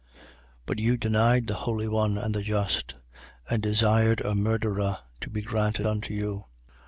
3:14. But you denied the Holy One and the Just: and desired a murderer to be granted unto you.